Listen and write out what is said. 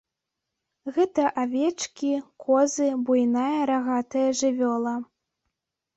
Гэта авечкі, козы, буйная рагатая жывёла.